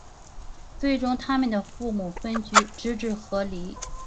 最终他们的父母分居直至和离。